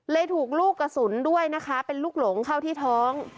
ถูกลูกกระสุนด้วยนะคะเป็นลูกหลงเข้าที่ท้อง